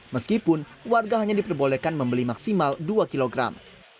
meskipun warga hanya diperbolehkan membeli maksimal dua kilogram